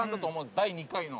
第２回の。